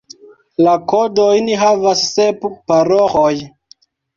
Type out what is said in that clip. La kodojn havas sep paroĥoj.